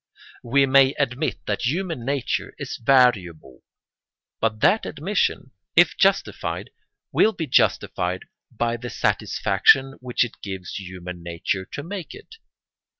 We may admit that human nature is variable; but that admission, if justified, will be justified by the satisfaction which it gives human nature to make it.